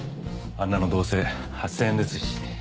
あんなのどうせ８，０００円ですし。